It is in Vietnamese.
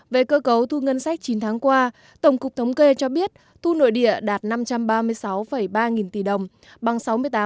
về cơ cấu thu ngân sách chín tháng qua tổng cục thống kê cho biết thu nội địa đạt năm trăm ba mươi sáu ba nghìn tỷ đồng bằng sáu mươi tám